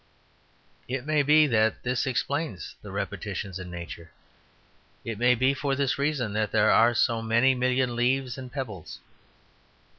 It may be that this explains the repetitions in Nature, it may be for this reason that there are so many million leaves and pebbles.